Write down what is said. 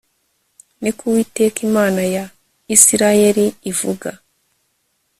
ni ko uwiteka imana ya isirayeli ivuga